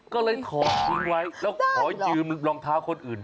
ก็เลยถอดทิ้งไว้แล้วขอยืมรองเท้าคนอื่น